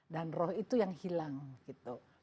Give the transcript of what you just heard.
dan roh itu yang hilang gitu